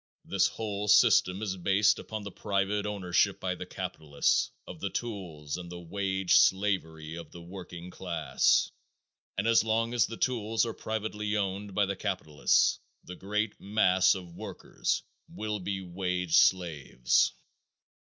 This whole system is based upon the private ownership by the capitalist of the tools and the wage slavery of the working class, and as long as the tools are privately owned by the capitalists the great mass of workers will be wage slaves.